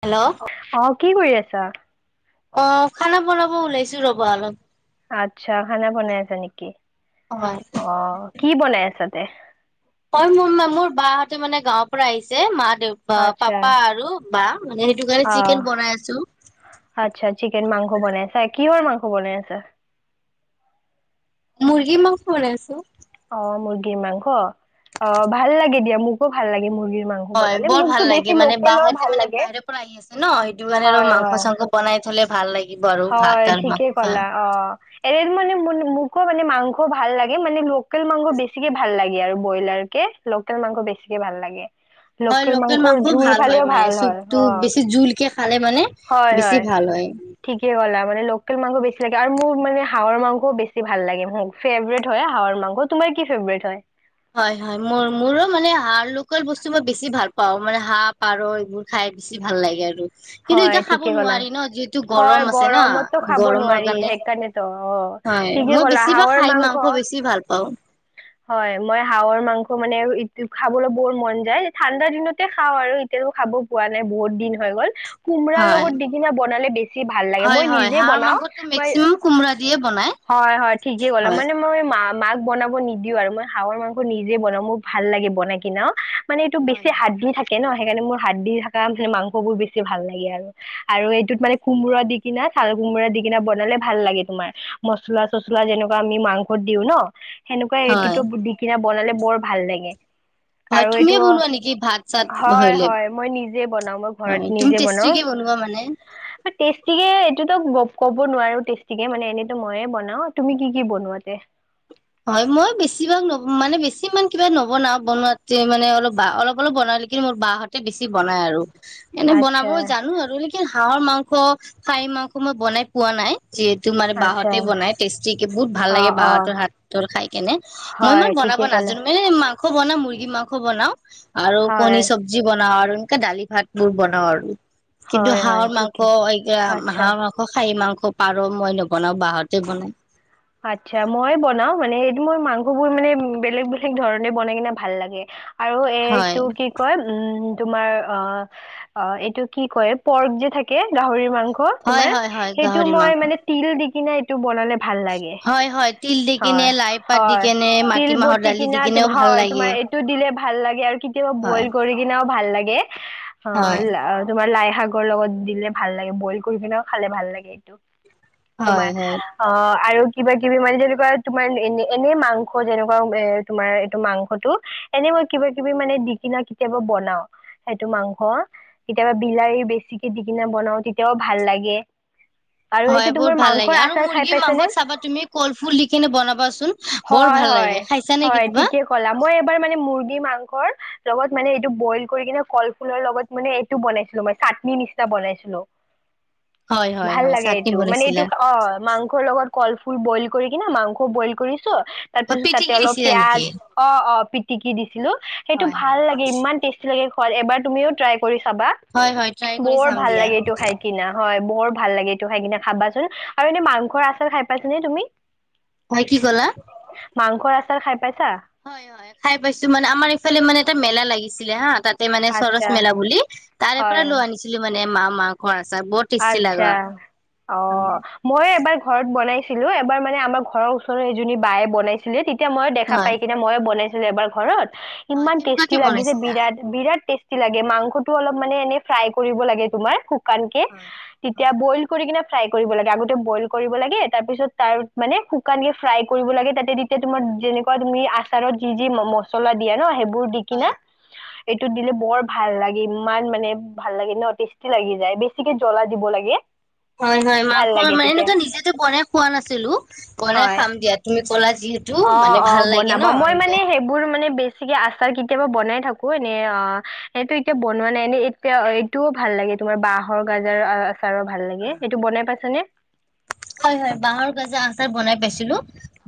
Hello. অ কি কৰি আছা? অ খানা বনাব ওলাইছোঁ। ৰ'ব আৰ আচ্ছা খানা বনাই আছা নেকি? হয় অ। কি বনাই আছা তে? হয় মোৰ মা মোৰ বা হঁতে মানে গাঁৱৰ পৰা আহিছে মা দে আচ্ছা পাপা আৰু। বা। মানে সেইটো কাৰণে অ চিকেন বনাই আছো আচ্ছা চিকেন মাংস বনাইছা। কিহৰ মাংস।? বনাই আছা। মুৰ্গী মাংস বনাই আছোঁ। অ মুৰ্গীৰ মাংস অ ভাল লাগে দিয়া মোকো ভাল লাগে মুৰ্গীৰ মাংস হয় বনালে বৰ মোকতো বেছি ভাললাগে মানে লোকেলৰ বাহাৰ যে ভাল মানে লাগে বাহিৰ পৰা আহি আছে ন সেইটো কাৰণে আৰু হয় হয় মাংস চাংস বনাই থলে ভাল লাগে। হয় ঠিকে কলা অ এ মানে মানে মাংস ভাল লাগে মানে লোক কেল মাংস‌ বেছিকে ভাল লাগে আৰু ব্ৰইলাৰ কে লোকেল মাংস বেছিকে ভাল লাগে। হয় লোকেল মাংসৰ মাংসও জোল ভাল হয় খালেও মানে হয় চুপটো অ বেছি জোলকে খালে মানে বেছি ভাল হয়। ঠিকে মানে লকেল মাংস বেছি লাগে আৰু মোৰ মানে হাঁহৰ মাংসও বেছি ভাল লাগে। হয় হয় মোৰ মোৰো মানে হাঁ লোকেল বস্তু মই বেছি ভাল পাওঁ মানে হাঁহ, পাৰ এইবোৰ খাই বেছি ভাল লাগে আৰু। কিন্তু হয় এতিয়া খাব ঠিকে কলা নোৱাৰি ন যিহেতু হয় গৰম আছে না গৰমতটো খাব গৰমৰ নোৱাৰি কাৰণে সেইকাৰণে ত অ হয় ঠিকে মই কলা বেছিভাগ হাহৰ খাই মাংস বেছি ভাল পাওঁ হয়। মই হাহৰ মাংস মানে খাবলৈ বৰ মন যায় ঠাণ্ডা দিনতে খাওঁ আৰু এতিয়াতো খাব পোৱা নাই বহুত দিন হৈ গ'ল। কোমৰাৰ হয় লগত দি কিনে বনালে বেছি ভাল লাগে। হয় মই হয় নিজে হাঁহৰ বনাও মাংসটো ম মেক্সিমাম কোমোৰা দিয়ে বনাই হয় হয় ঠিকে কলা হয় মানে মই মা মাক বনাব নিদিও আৰু মই হাঁহৰ মাংস নিজে বনাওঁ, মোৰ ভাল লাগে বনাই কিনে অ। মানে এইটো হয় বেছি হয় হাতদি থাকে ন। সেইকাৰণে মোৰা হাত'দি থাকা মংসবোৰ ভাল লাগে আৰু এইটোত মানে কোমোৰা দি কিনা চাল কোমোৰা দি কিনা বনালে ভাল লাগে তোমাৰ মচলা চচলা যেনেকুৱা আমি মাংসত দিও ন। সেনেকুৱা হয় এইটোতো দি কিনা বনালে বৰ ভাল লাগে। হয় আৰু এইটো তুমিয়ে অ', বনোৱা নেকি ভাত চাত হয় ধৰিলে হয় মই নিজে বনাও মই হয় ঘৰত। তুমি নিজে বনাও টেষ্টিকে বনোৱা মানে? টেষ্টিকে এইটো'ত ক'ব নোৱাৰো টেষ্টিকে মানে এনেতো মইয়ে বনাও। তুমি কি কি বনোৱা? হয় মই বেছিভাগ মানে বেছি ইমান কিবা নবনাও, বনোৱাতে মানে অলপ বা অলপ অলপ বনাল, কিন্তু মোৰ বাহতে বেছি বনাই আৰু। এনে আচ্ছা, বনাব জানো আৰু লেকিন হাঁহৰ মাংস, খাহী মাংস মই বনাই পোৱা নাই। যিহেতু মানে আচ্ছা। বাঁহতেই বনাই টেষ্টিকে বহুত ভাল লাগে অ', অ', বাঁহতৰ হাত [unintelligible] খাই কেনে মই হয়, ইমান বনাব ঠিকে ক'লা। নাজানো মানে মাং মাংস বনাও, মুৰ্গী মাংস বনাও। আৰু কণী হয়, চব্জি বনোও। একে দালি ভাত বোৰ বনাওঁ আৰু। কিন্তু হয়, হয়, হাঁহৰ মাংস, ঠিকে। এই আচ্ছা, হাঁহৰ মাংস, খাহী মাংস আ পাৰ মই নবনাওঁ বাহতে বনাই। আচ্ছা মই বনাও। মানে সেইটো মোৰ মাংস বোৰ মানে বেলেগ বেলেগ ধৰণে বনাই কিনে ভাল লাগে। আৰু হয় এইটো কি কয় উম তোমাৰ অ' অ' এইটো কি কয় পৰ্ক যে থাকে গাহৰি মাংস। কত হয় তোমাৰ, হয় হয় সেইটো গাহৰি মই মাংস মানে তিল দি কিনা এইটোক বনালে ভাল লাগে। হয় হয় তিল দি কিনে হয়, লাই পাত দি হয়, কেনে তিল মাটিমাহৰ বতি দালি কিনা দি কিনেও ভাল হয়, লাগে তোমাৰ এইটো দিলে ভাল লাগে আৰু কেতিয়াবা হয় বইল কৰি কিনাও ভাল লাগে। হয় অ' তোমাৰ লাই শাকৰ লগত দিলে ভাল লাগে, বইল কৰি পিনেও খালে ভাল লাগে। হয় তোমাৰ হয় অ' আৰু কিবা-কিবি মানে যেনেকুৱা তোমাৰ এনে, এনেই মাংস যেনেকুৱা এ তোমাৰ এইটো মাংসটো এনে মই কিবা-কিবি মানে দি কিনাও কেতিয়াবা বনাও, সেইটো মাংস কেতিয়াবা বিলাহী বেছিকে দি কিনাও বনাও, তেতিয়াও ভাল লাগে। আৰু হয় এইটো বহুত তোমাৰ ভাল মাংসৰ লাগে আৰু আচাৰ খাই মুৰ্গীৰ পাইছানে মাংসত চাবা তুমি কলফুল দি কিনে বনাবা চোন বৰ হয় ভাল হয় লাগে, খাইছানে হয় কেতিবা? ঠিকে ক'লা মই এবাৰ মানে [unintelligible] লগত মানে এইটো বইল কৰি কিনে কলফুলৰ লগত মানে এইটো বনাইছিলো, মই চাটনি নিচিনা বনাইছিলো। হয় হয় ভাল হয় লাগে চাটনি এইটো মানে এইটো, বনাইছিলা অ' মাংসৰ লগত কলফু ফুল বইল কৰি কিনে মাংস বইল কৰি ছো তাৰ অ পিছত তাতে পিটিকি অলপ দিছিলা পিয়াজ, নেকি অ' অ' পিটিকি দিছিলো সেইটো হয় হয় ভাল লাগে ইমান টেষ্টি লাগে। হয় এবাৰ তুমিও ট্ৰাই কৰি চাবা হয় হয় ট্ৰাই কৰি বৰ চাম ভাল দিয়া লাগে, এইটো খাই কিনা হয় বৰ ভাল লাগে এইটো খাই কিনে খাবাচোন, আৰু এনেই মাংসৰ আচাৰ খাই পাইছানে তুমি? হয় কি ক'লা? মাংসৰ আচাৰ খাই পাইছা? হয়, হয় খাই পাইছোঁ মানে আমাৰ ইফালে মানে এটা মেলা লাগিছিলে হা তাত তে মানে চৰচ আচ্ছা মেলা বুলি, তাৰে পৰা লৈ আনিছিলোঁ মান নে মা-মাংসৰ আত্ছা, অ', মই এবাৰ ঘৰত বনাইছিলোঁ, এবাৰ মানে আমাৰ ঘৰৰ ওচৰৰ এজনী বায়ে বনাইছিলে তেতি তেতিয়া মই দেখা হয় পাই কিনে মই বনাই এন এবাৰ ঘৰত? হয় ইমান কেনেকুৱাকে টেষ্টি লাগিছে বনাইছিলা বিৰাট, বিৰাট টেষ্টি। কে লাগে মাংসটো অলপ মানে এনে ফ্ৰাই কৰিব লাগে তোমাৰ শুকানকে। হয় তেতিয়া হয় ব'ইল কৰি কিনে ফ্ৰাই কৰিব লাগে, আগতে ব'ইল কৰিব লাগে, তাৰ পিছত তাৰ মানে শুকানকে ফ্ৰাই কৰিব লাগে, তাতে তেতিয়া তোমাৰ যেনেকুৱা তুমি আচাৰত যি যি ম-মছলা দিয়া ন' সেইবোৰ বোৰ দি কিনে হয় এইটোত দিলে বৰ ভাল লাগে, ইমান মানে ভাল লাগে ন' টেষ্টি লাগি যায় দে ছিকে জ্বলা দিব লাগে। হয়, হয়, ভাল মাংস লাগে মানে তেতিয়া এনেকুৱা নিজেত বনাই খোৱা নাছিলোঁ, বনাই হয় খাম দিয়া তুমি বলাই অ', অ', বনাবা মই মানে সেইবোৰ মানে বেছ ছিকে আচাৰ কেতিয়াবা বনাই থাকো এনে অ', সেইটো এনেকে বনোৱা নাই এ এতিয়া এইটোও ভাল লাগে তোমাৰ বাঁহৰ গাজাৰ আচাৰৰ ভাল লাগে, এইটো বনাই পাইছা নে? হয়, হয়, বাঁহৰ গাজৰ আচাৰ বনাই পাইছিলো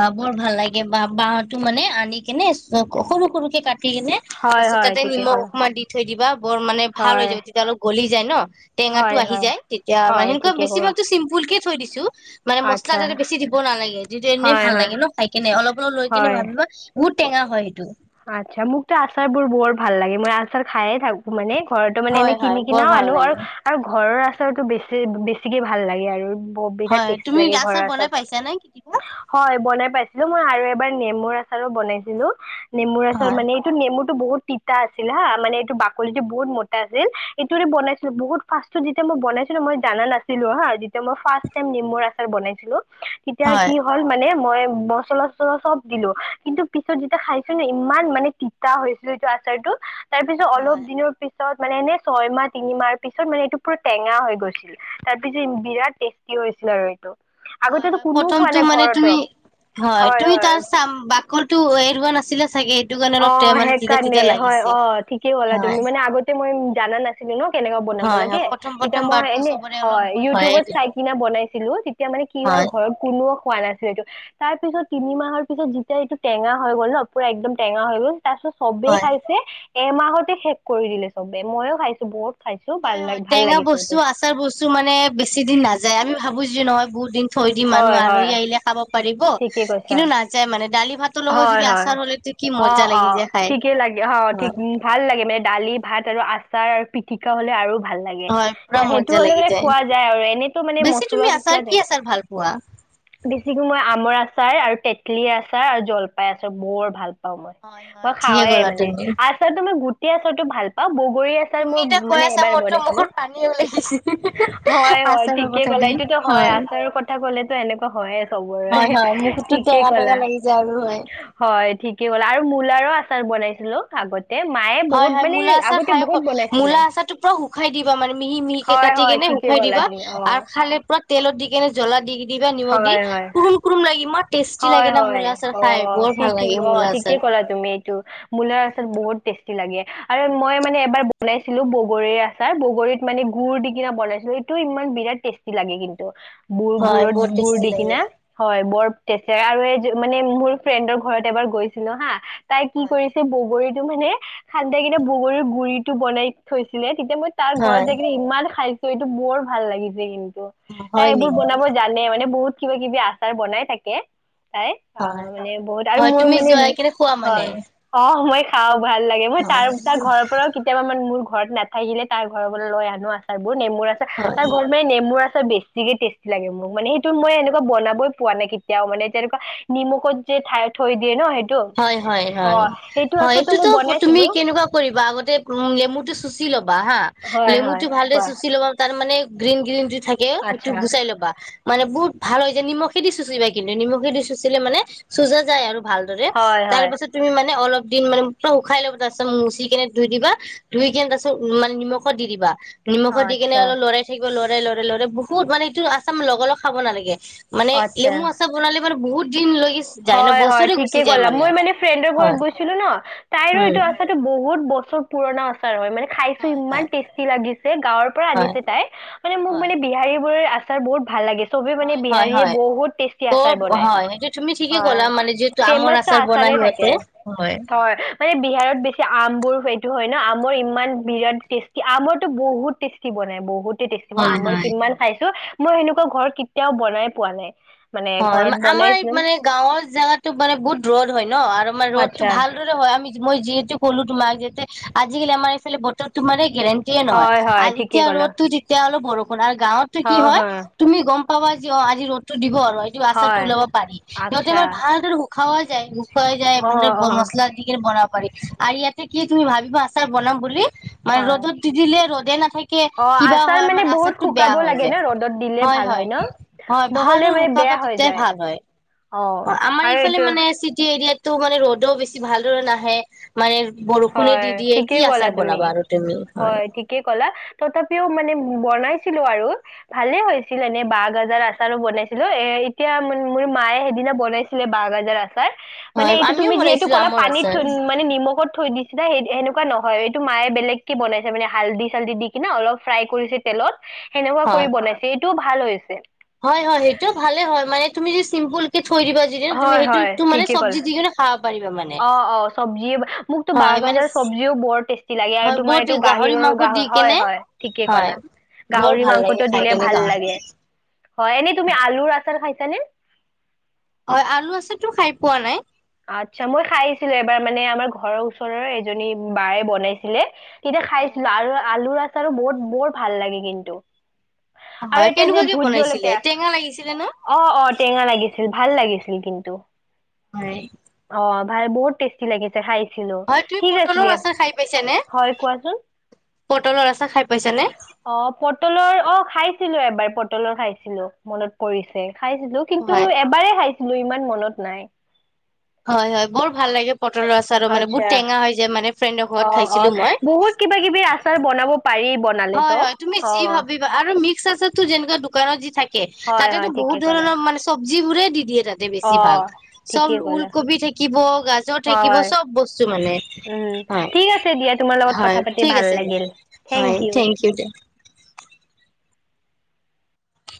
ব বৰ ভাল লাগে ব-বাঁহটো মানে আনি কেনে সৰু সৰুকে কাট টি কিনে হয় তাৰপিছত হয় তাতে ঠিকে নিমখ ক'লা অকণমান দি থৈ দিবা বৰ মানে ভাল হৈ হয় যাব, তেতিয়া অলপ গলি যায় ন'। হয় টেঙাটো আহি হয় যায়, তেতিয়া মানে হয় এনেকুৱা ঠিকে ক'লা বেছিভাগটো চিম্পুলকে থৈ দিছোঁ। মানে মছলা আচ্ছা তাতে বেছি দিব নালাগে, তেতিয়া এনেই হয় ভাল হয় লাগে ন' খাই কেনে অলপ অলপ লৈ কেনে হয় ভাত লগত বহুত টেঙা হয় সেইটো। আচ্ছা, মোকটো আচাৰবোৰ বৰ ভাল লাগে, মই আচাৰ খায়ে থাকোঁ মানে। ঘৰটো মানে এনে হয় হয় কিনি বৰ কিনাও ভাল আনো লাগে আৰু ঘৰৰ আচ আচাৰটো বেছি বেছিকে ভাল লাগে আৰু। অ', বিৰাট হয় টেষ্টি তুমি লাগে ঘৰৰ বনাই আচাৰ, পাইছা নে কেতিয়াবা হয় বনাই পাইছোঁ। মই আৰু এবাৰ নেমুৰ আচাৰো বনাইছিলো। নেমুৰ আচৰ হয় মানে এইটো নেমু বহুত তিতা আছিল হা মানে এইটো বাকলি টো বহুত মতা আছিল এইটোৰে বনাইছিলো বহুত ফাৰ্ষ্টত যেতিয়া মই বনাইছিলো মই জানা নাছিলো হা মই ফাৰ্ষ্ট টাইম নেমুৰ আচাৰ বনাইছিলো। তেতিয়া হয় কি হ'ল মানে মই মছলা চচলা চব দিলো কিন্তু পিছত যেতিয়া খাই ইমান মানে তিতা হৈছিলো এইটো আচাৰটো তাৰ পিছত হয় অলপ দিনৰ পিছত পিছত মানে এনে ছয় মাহ তিনিমাহ পিছত মানে এইটো পুৰা টেঙা হৈ গৈছিল তাৰ পিছত বিৰাট টেষ্টি হৈছিল আৰু এইটো হয় আগতেতো হয় কোনো খোৱা প্ৰথমটো নাই মানে ঘৰতো তুমি হয় তুমি তাৰ চাম বাকলটো এৰুৱা নাছিলা। নাছিলা চাগে। কাৰণে অ অলপ তে মানে তিতা সেইকাৰণে তিতা হয় লাগিছে। অ ঠিকেই ক'লা হয় তুমি মানে আগতে মই জানা নাছিলো ন। কেনেকুৱা বনাব হয় লাগে হয় প্ৰথম তেতিয়া প্ৰথম মই বাৰটো এনে চবৰে অলপ হয় ভুল হয়ে ইউটিউবত চাই কিনি বনাইছিলো তেতিয়া মানে কি হ'ল হয় ঘৰত কোনো পোৱা নাছিলো এইটো তাৰ পিছত তিনি মাহৰ পিছত যেতিয়া এইটো টেঙা হৈ গ'ল ন পুৰা একদম টেঙা হ'ল। তাৰ পিছত চবেই হয়। খাইছে। এমাহতে শেষ কৰি দিলে চবে ময়ো খাইছো বহুত খাইছো ভাল লাগ হয়-হয় ভাল টেঙা লাগিছে বস্তু এইটো আচাৰ বস্তু মানে বেছি দিন নাযায়, আমি ভাবো যে নহয় বহুত দিন থৈ দিম মানুহ হয় হয় আলহী আহিলে খাব। পাৰিব ঠিকে কৈছা কিন্তু নাযায় মানে দালি ভাতৰ লগত যদি হয়-হয়, আচাৰ হ'লেতো কি মজা লাগি অ'-অ' যায় খাই। ঠিকে লাগে অ' ঠিক হয় ভাল লাগে মানে দালি ভাত আৰু আচাৰ আৰু পি পিটিকা হ'লে আৰু ভাল লাগে হয় পুৰা সেইটো মজা হ'লে লাগি খোৱা যায়, এনেটো মানে বেছি তুমি আচাৰ মচলা-চছলা কি দেখা আচাৰ ভাল পোৱা? দিছিলো মই আচাৰ আৰু তেতলি আচাৰ আৰু জলপাই আচাৰ বৰ ভাল। অ' মই হয় মই হয় ঠিকে খাওৱে ক'লা মানে তুমি। আচাৰ তো মই গো - এতিয়া আছতো ভাল পাব। বগৰী আচাৰ তুমি মোৰ এতিয়া মান কৈ আছা এবাৰ মোৰতো বনাইছিলো মুখত পানী ওলাই গৈছে হয়-হয় আচাৰৰ ঠিকে কথা ক'লা দি এইটো হয়, আচাৰৰ কথা ক'লে এনেকুৱা হয় চবৰে। হয় হয় মুখতো ঠিকে টেঙা টেঙা ক'লা লাগি যায় আৰু হয়। হয়, ঠিকে ক'লা আৰু মূলাৰো আচাৰ বনাইছিলো। আগতে মায়ে বহুত হয়-হয় মানে মূলা আচাৰ আগতে খাই, বহুত বনাইছিলে মূলা আচাৰতটো পুৰা শুকাই দিবা মানে মিহি মিহিকে হয় কাটি হয় কেনে ঠিকে শুকাই ক'লা দিবা তুমি অ আৰু খালে পুৰা তেলত দি কেনে জ্বলা দি দিবা নিমখ দি কুৰুম-কুৰুম লাগি ইমান টেষ্টি লাগে না হয়-হয় মূলা আচাৰ খাই অ' বৰ ভাল ঠিক লাগে অ' মূলা ঠিকে আচাৰ। ক'লা তুমি এইটো মূলাৰ আচাৰ বহুত টেষ্টি। লাগে আৰু মই মানে এবাৰ বনাইছিলো বগৰীৰ আচাৰ, বগৰীত মানে গুড় দি কিনে বনাইছিলো। এইটো ইমান বিৰাট টেষ্টি লাগে কিন্তু। গুৰ হয় গুড়ৰ বহুত গুুৰ টেষ্টি দি লাগে কিনে হয় বৰ তাতে আৰু এই মানে মোৰ ফ্ৰেণ্ডৰ ঘৰত এবাৰ গৈছিলো হা তাই কি হয় কৰিছে বগৰীত মানে খান্দাই কিনে বগৰীৰ গুৰি টো বনাই থৈছিলে। তেতিয়া মই তাৰ ঘৰত হয় যাই কিনে ইমান খাইছো। এইটো বৰ ভাল লাগিছে কিন্তু। তাই হয় এইবোৰ নেকি বনাব জানে মানে বহুত কিবা কিবি আচাৰ বনাই থাকে। এ' তাই অ' হয়। মানে বহুত আৰু হয় মোৰ তুমি মানে যোৱাই কেনে খোৱা মানে হয় অ' মই খাও। ভাল লাগে মই তাৰ তাৰ হয় ঘৰৰ পৰাও কেতিয়াবা মানে মোৰ ঘৰত নাথাকিলে তাৰ ঘৰৰ লৈ আনো আচাৰ। বোৰ নেমুৰ আছাৰ, হয়। তাৰ ঘৰত মানে নেমুৰ আছে। বেছিকে টেষ্টি লাগে মোক মানে সেইতো মই এনেকুৱা বনাবই পোৱা নাই কে কেতিয়াও মানে যেনেকুৱা নিমখত যে থাই থৈ দিয়ে ন সেই হয় হয় হয়, হয় মই এইটোতো তুমি বনাইছিলো কেনেকুৱা কৰিবা আগতে উ নেমুটো চুচি ল'বা। বা হা হয় নেমু হয় টো ভালদৰে কোৱা চুচি ল'বা তাৰ মানে গ্ৰীন গ্ৰীন থাকে সেইটো আচ্ছা গুচাই ল'বা মানে বহুত ভাল হয় যায় নিমখে দি চুঁচিবা কিন্তু নিমখে দি চুঁচিলে মানে চুচা যায় আৰু ভালদৰে। হয় তাৰ হয় পাছত তুমি মানে অলপ দিন মানে শুকাই লব তাৰপিছত মচি কিনে ধুই দিবা ধুই কিনে তাৰ পিছত মানে নিমখত দি দিবা। অ নিমখত দি কেনে আচ্ছা অলপ লৰাই থাকিব লৰাই লৰাই লৰাই বহুত মানে এইটো আচাৰ লগা লগ খাব নালাগে। মানে নেমু আচ্ছা আচাৰ বনালে মানে বহুত দিন লৈকে যায় ন হয় হয় বছৰে গুচি ঠিকেই কলা মই মানে ফ্ৰেণ্ডৰ ঘৰত হয় গৈছিলো ন তাইৰো এইটো উম আচাৰটো বহুত বহুত বছৰ পুৰণা আচাৰ হয় মানে। খাইছো হয় ইমান হয় টেষ্টি লাগিছে। গাঁৱৰ পৰা হয় আনিছে তাই, মানে মোক হয় মানে বিহাৰী বোৰে আ। বহুত ভাল লাগিছে। চবে মানে হয় হয় বিহাৰীয়ে হয় বহুত টেষ্টি আচাৰ বৰ বনায়। হয় সেইটো তুমি ঠিকে হয় ক'লা মানে যিহেতু আমৰ ফেমাচটো আচাৰ বনাই আচানে থাকে সিহঁতে হয় মানে বিহাৰত বেছি আমবোৰ, হয় ন আমৰ ইমান বিৰাট টেষ্টি আমৰটো বহুত টেষ্টি বনাই বহুত। টেষ্টি মই হয় আমৰ হয় কিমান খাইছো। মই সেনেকুৱা ঘৰ কেতিয়াও বনাই পোৱা নাই। মানে হয় ঘৰত মা- বনাই। আমাৰ এই মানে গাঁওৰ জাগগাতো মান বহুত ৰ'দ হয় ন। আৰু আমাৰ ৰ'ডটো আচ্ছা ভালদৰে হয় আমি। মই যিহেতু ক'লো তোমাক যোতে আজিকালি আমাৰ এইফালে বতৰ তোমাৰেই গেৰেণ্টিয়ে নহয় হয় হয় আৰু ঠিকে যেতিয়া ক'লা ৰ'দো তেতিয়া অলপ বৰ আপোনাৰ গাঁৱতটো কি হয় তুমি গম কব যি অ আজি ৰ'দতো দিব আৰু য আশাটো হয় ওলাব পাৰি সিহঁতে আচ্ছা আম ভালদৰে খাৱা যায় হৈ যায় অ ভাল অ মছলা দিকিনে বনাব। আৰু ইয়াতে কি তুমি ভাবিবা আচাৰ বনাম বুলি মানে হয় ৰ'দত দি দিলে ৰ'দত দেনে [unintelligible] অ আচাৰ মানে বহুত শুকাব হৈ লাগে যায় ন ৰ'দত দিলে ভাল হয় ন নহলে মানে। খাব বেয়া হৈ তেতিয়াই যায় ভাল হয় অ আমাৰ আৰু ইফালে এইটো মানে চিটি এৰিয়াত তটো মানে ৰ'দও বেছি ভালদৰে নাহে মানে। বৰষুণে হয় দি দিয়ে কি ঠিকেই ক'লা আচাৰ তুমি বনাবা আৰু তুমি হয় ঠিকে কলা তথাপিও ম মানে বনাইছিলো আৰু ভালে হৈছিল এনে বাঁহ গাজাৰ আচাৰো বনাইছিলো এ এতিয়া মোৰ মায়ে সেইদিনা বনাইছিলে বাহ গাজৰ আচাৰ। মানে হয় এইটো আমিও তুমি যিহেতু বনাইছিলো ক'লা আমৰ পানীত আচাৰ মানে নিমখত। সিদিনা সেই সেনেকুৱা নহয় এইটো মায়ে বেলেগকে বনাইছে মানে হালদি চালদিি দি কিনা অলপ ফ্ৰাই কৰিছে তেলত। সেনেকুৱা কৰি বনাইছে এইটো ভাল হৈছে। হয়-হয় সেইটোও ভালে হয় মানে তুমি য চিম্পুল থৈ দিবা যিদি ন তুমি সেইটো তো মানে চব্জি দি কিনে খাব। পাৰিবা মানে অ-অ চব্জি মোকো হয় মানে বাহাজৰ চব্জিও বৰ টেষ্টি লাগে আৰু হয় তোমাৰ বহুত এইটো গাহৰি মাংস দি গাহৰ কেনে হয়-হয় ঠিকে হয় কলা বৰ গাহৰি ভাল লাগে মাংসটো খাই দিলে কেনে ভাল গাহৰি লাগে।। হয় এনে তুমি আলুৰ আচাৰ খাই। ছানে হয় আলু আছে তো খাই পোৱা নাই আচ্ছা, মই খাইছিলো এবাৰ মানে আমাৰ ঘৰৰ ওচৰৰ এজনী বায় বনাইছিলে। তেতিয়া হয় খাইছিলো আৰু আলু [unintelligible] বৰ ভাল লাগে কিন্তু। হয় আৰু এটা যে কেনেকুৱাকে ভোত বনাইছিলে জলকীয়া, টেঙা লাগিছিলে ন অ' অ' টেঙা লাগিছিল। ভাল লাগিছিল কিন্তু হয়। অ' ভাল, বহুত টেষ্টি লাগিছে খাই। [unintelligible] হয় তুমি ঠিক আছে পটলৰ দিয়া। আচাৰ খাই পাইছানে হয় কোৱাচোন। পটলৰ আছাৰ খাই পাইছানে অ' পটলৰ, অ' খাইছিলো এবাৰ। এবাৰ পটলৰ খাইছিলো মনত পৰিছে। খাইছিলো, কিন্তু হয় এবাৰেই খাইছিল। লো ইমান মনত নাই হয় হয়, বৰ ভাল লাগে পটলৰ আচাৰো মানে আচ্ছা বহুত টেঙা হৈ যায় মানে। ফ্ৰেণ্ডৰ ঘৰত অ' খাইছিলো অ' মই বহুত কিবা কিবি আচাৰ বনাব পাৰি বনালেতো হয় হয় তুমি অ যি ভাবিবা, আৰু ম [unintelligible] যেনে দোকানত যি থাকে হয় তাতেতো হয় বহুত ঠিকে ক'লে ধৰণৰ মানে চব্জ যিবোৰে দি দিয়ে যতে বেছি অ ভাল, চব ঠিকেই উল ক'লা কবি থাকিব গাজৰ থাকিব, হয় সব বস্তু মানে উম হয় ঠিক আছে দিয়া তোমাৰ লগত হয় কথা পাতি ঠিক ভাল আচে দিয়া লাগিল হয়। Thank you De.